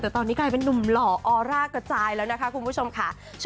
แต่ตอนนี้กลายเป็นนุ่มหล่อออร่ากระจายแล้วนะคะคุณผู้ชมค่ะ